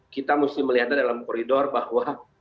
kita mesti melihatnya dalam koridor bahwa